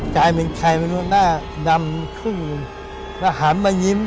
ใจเป็นไข่เป็นหน้าดำคืนและหันมายิ้ม